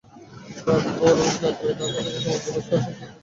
রাতভর যাত্রায় ঢাকা থেকে বান্দরবান বাসস্ট্যান্ডে পৌঁছতে পৌঁছতেই সকাল সাড়ে ছয়টা।